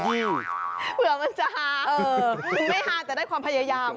เผื่อมันจะฮาไม่ฮาแต่ได้ความพยายาม